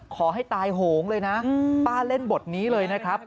ขอให้ตายโหงเลยนะป้าเล่นบทนี้เลยนะครับ